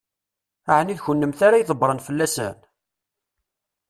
Ɛni d kennemti ara ydebbṛen fell-asen?